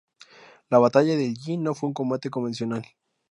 La Batalla del Yi no fue un combate convencional.